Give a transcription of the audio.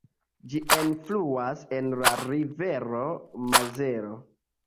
Ĝi enfluas en la rivero Mozelo.